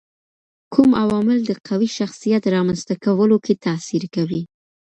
کوم عوامل د قوي شخصيت رامنځته کولو کي تاثیر کوي؟